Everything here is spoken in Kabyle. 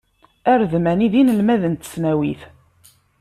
Aredmani, d inelmaden n tesnawit.